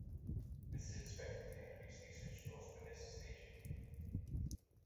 This is expected to increase usage of Pimisi station.